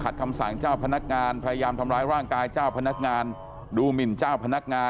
แต่ดูสภาพรถแล้วน่าตกใจจริงนะ